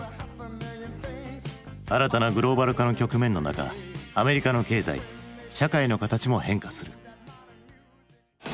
新たなグローバル化の局面の中アメリカの経済社会の形も変化する。